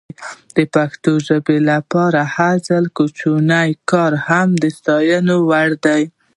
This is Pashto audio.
د پښتو ژبې لپاره د هر ځوان کوچنی کار هم د ستایلو وړ ده.